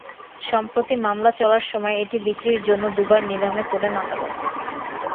সম্প্রতি মামলা চলার সময় এটি বিক্রির জন্য দুবার নিলামে তোলেন আদালত।